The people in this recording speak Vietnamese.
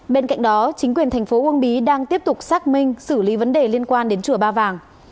bên cạnh đó chính quyền thành phố uông bí đang tiếp tục xác minh xử lý vấn đề liên quan đến chùa ba vàng